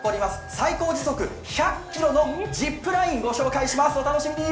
最高時速１００キロのジップラインご紹介します、お楽しみに！